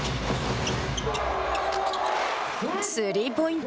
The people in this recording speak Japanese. スリーポイント